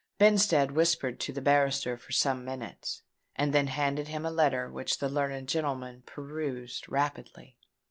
Benstead whispered to the barrister for some minutes, and then handed him a letter which the learned gentleman perused rapidly.